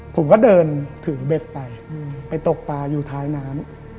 ผมก็เดินถือเบ็ดไปไปตกปลาอยู่ท้ายน้ำ